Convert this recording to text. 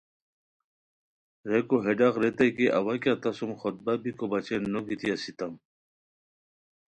ریکو ہے ڈاق ریتائے کی اوا کیہ تہ سوم خطبہ بیکو بچین نوگیتی اسیتام